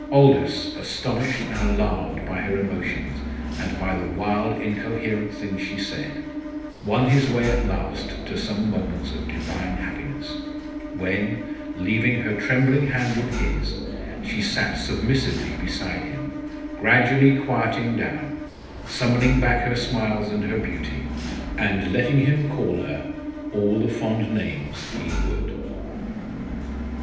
Aldous, astonished and alarmed by her emotions and by the wild incoherent things she said, won his way at last to some moments of divine happiness, when, leaving her trembling hand in his, she sat submissively beside him, gradually quieting down, summoning back her smiles and her beauty, and letting him call her all the fond names he would.